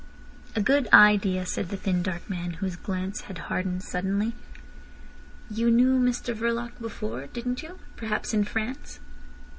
"A good idea," said the thin, dark man, whose glance had hardened suddenly. "You knew Mr Verloc before—didn't you? Perhaps in France?"